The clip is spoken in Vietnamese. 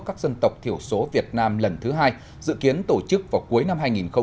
các dân tộc thiểu số việt nam lần thứ hai dự kiến tổ chức vào cuối năm hai nghìn hai mươi